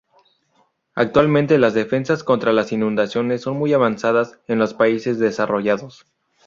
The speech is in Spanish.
Actualmente las defensas contra las inundaciones son muy avanzadas en los países desarrollados.